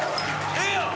ええやん！